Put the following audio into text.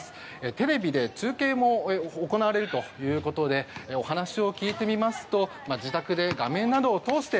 テレビで中継も行われるということでお話を聞いてみますと自宅で画面などを通して